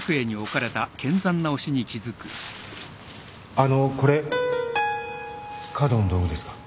あのこれ華道の道具ですか？